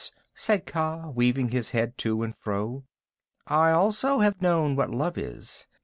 said Kaa, weaving his head to and fro. "I also have known what love is.